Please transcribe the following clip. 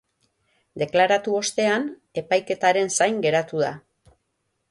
Deklaratu ostean, epaiketaren zain geratu da.